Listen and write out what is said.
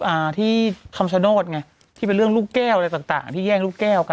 อ่าที่คำชโนธไงที่เป็นเรื่องลูกแก้วอะไรต่างต่างที่แย่งลูกแก้วกัน